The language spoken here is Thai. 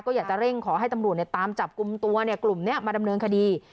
ก็อยากจะเร่งขอให้ตำรวจตามจับกลุ่มตัวกลุ่มนี้มาดำเนินคดี